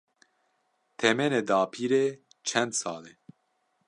Temenê dapîrê çend sal e?